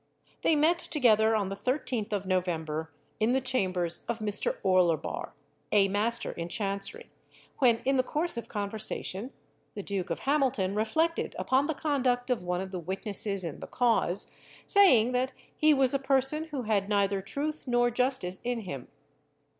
They met together on the 13th of November in the chambers of Mr. Orlebar, a master in Chancery, when, in the course of conversation, the Duke of Hamilton reflected upon the conduct of one of the witnesses in the cause, saying that he was a person who had neither truth nor justice in him.